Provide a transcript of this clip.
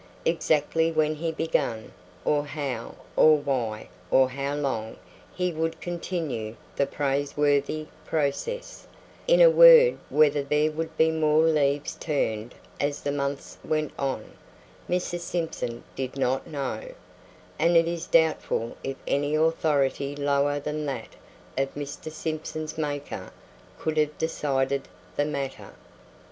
Exactly when he began, or how, or why, or how long he would continue the praiseworthy process, in a word whether there would be more leaves turned as the months went on, Mrs. Simpson did not know, and it is doubtful if any authority lower than that of Mr. Simpson's Maker could have decided the matter.